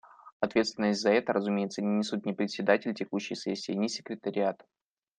Ответственность за это, разумеется, не несут ни Председатель текущей сессии, ни Секретариат.